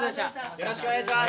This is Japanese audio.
よろしくお願いします。